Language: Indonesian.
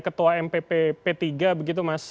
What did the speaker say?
ketua mpp p tiga begitu mas